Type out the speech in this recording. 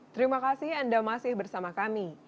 terima kasih anda masih bersama kami